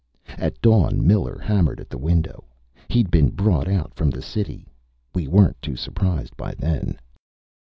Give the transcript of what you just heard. At dawn, Miller hammered at a window. He'd been brought out from the city. We weren't too surprised by then.